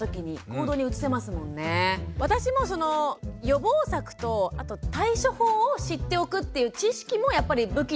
私もその予防策とあと対処法を知っておくっていう知識もやっぱり武器になると思っていて。